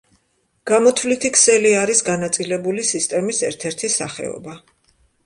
გამოთვლითი ქსელი არის განაწილებული სისტემის ერთ-ერთი სახეობა.